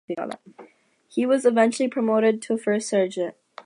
He was eventually promoted to First Sergeant.